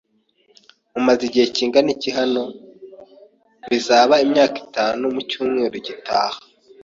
"Mumaze igihe kingana iki hano?" "Bizaba imyaka itanu mu cyumweru gitaha."